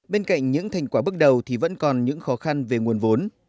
bên cạnh những thành quả bước đầu thì vẫn còn những khó khăn về nguồn vốn